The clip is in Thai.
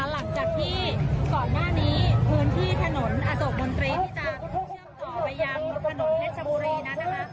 หลังจากที่สอนหน้านี้พื้นที่ถนนอสกมนตรีที่จะเชื่อมต่อไปยัง